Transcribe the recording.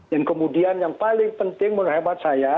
dan kemudian yang paling penting menurut saya